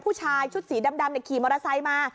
ผู้ชายชุดสีดำขี่มอเตอร์ไซค์มา